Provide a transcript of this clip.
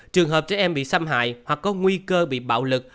trường hợp trẻ em bị xâm hại hoặc có nguy cơ bị bạo lực